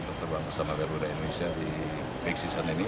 kita tetap bersama garuda indonesia di peak season ini